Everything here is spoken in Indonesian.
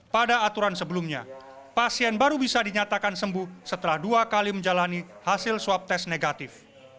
pada aturan sebelumnya pasien baru bisa dinyatakan sembuh setelah dua kali menjalani hasil swab tes negatif